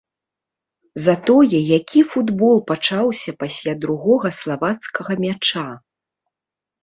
Затое які футбол пачаўся пасля другога славацкага мяча!